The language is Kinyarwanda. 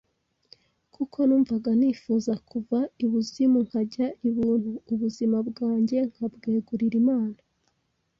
kuko numvaga nifuza kuva ibuzimu nkajya ibuntu, ubuzima bwanjye nkabwegurira Imana